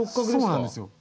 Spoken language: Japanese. そうなんですよ。